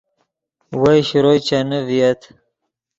وئے شروئے چینے ڤییت